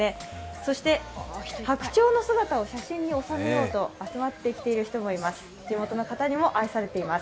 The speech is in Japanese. そして白鳥の姿を写真に収めようと集まってきている方もいます。